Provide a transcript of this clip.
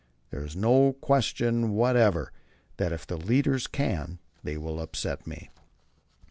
There is no question whatever that if the leaders can they will upset me."